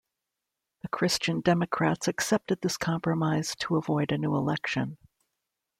The Christian Democrats accepted this compromise to avoid a new election.